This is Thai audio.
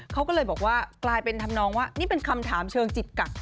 เขาก็เลยบอกว่ากลายเป็นทำนองว่านี่เป็นคำถามเชิงจิตกัก